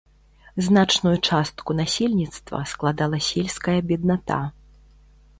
Значную частку насельніцтва складала сельская бедната.